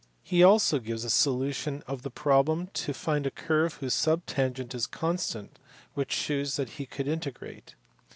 He also gives a solution of the problem to find a curve whose subtangent is constant, which shews that he could integrate.